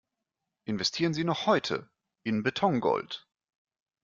Investieren Sie noch heute in Betongold!